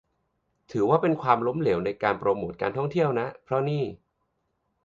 ถือว่าเป็นความล้มเหลวในการโปรโมทการท่องเที่ยวนะ เพราะนี่